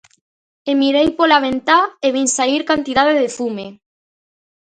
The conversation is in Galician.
E mirei pola ventá e vin saír cantidade de fume.